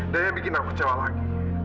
dan yang bikin aku kecewa lagi